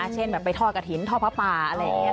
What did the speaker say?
เช่นไปท่อกระถิรรฯท่อพระป่าอะไรเงี้ย